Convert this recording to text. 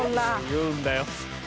言うんだよ。